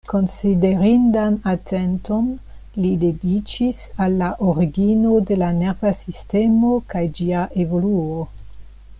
Konsiderindan atenton li dediĉis al la origino de la nerva sistemo kaj ĝia evoluo.